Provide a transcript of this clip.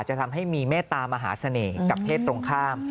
จะทำให้มีเมตตามหาเสน่ห์กับเพศตรงข้าม